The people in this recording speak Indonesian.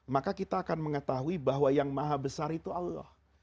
maka kita akan mengetahui bahwa yang maha besar itu allah